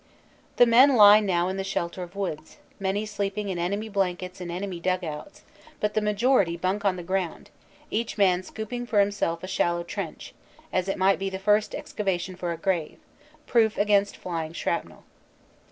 The men lie now in the shelter of woods, many sleeping in enemy blankets in enemy dug outs, but the majority bunk on the ground, each man scooping for himself a shallow trench, as it might be the first excavation for a grave, proof against flying shrapnel.